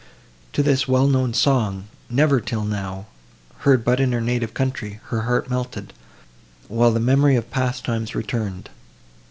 To this well known song, never, till now, heard but in her native country, her heart melted, while the memory of past times returned.